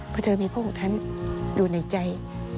เพราะเธอมีพระองค์ท่านอยู่ในใจ